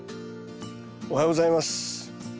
おはようございます。